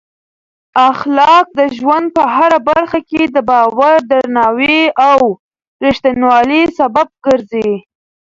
اخلاق د ژوند په هره برخه کې د باور، درناوي او رښتینولۍ سبب ګرځي.